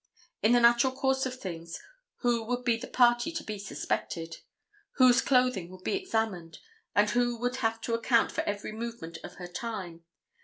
In the natural course of things who would be the party to be suspected? Whose clothing would be examined, and who would have to account for every movement of her time?